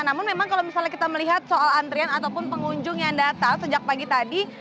namun memang kalau misalnya kita melihat soal antrian ataupun pengunjung yang datang sejak pagi tadi